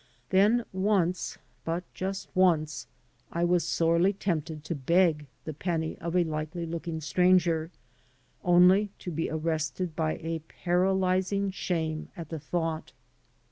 Then once — ^but just once — ^I was sorely tempted to beg the penny of a likely looking stranger, only to be arrested by a paralyzing shame at the thought.